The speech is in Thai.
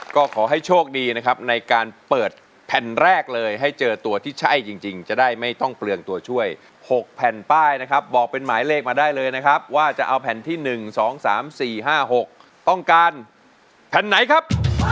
ก็ขอให้โชคดีนะครับในการเปิดแผ่นแรกเลยให้เจอตัวที่ใช่จริงจะได้ไม่ต้องเปลืองตัวช่วย๖แผ่นป้ายนะครับบอกเป็นหมายเลขมาได้เลยนะครับว่าจะเอาแผ่นที่๑๒๓๔๕๖ต้องการแผ่นไหนครับ